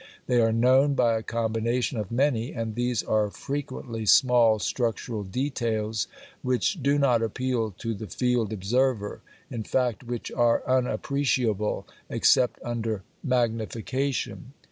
They are known by a combination of many, and these are frequently small structural details which do not appeal to the field observer; in fact, which are unappreciable except under magnification.